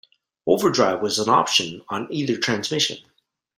Overdrive was an option on either transmission.